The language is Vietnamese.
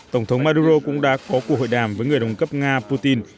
tổng thống maduro cũng đã có cuộc hội đàm với người đồng cấp nga putin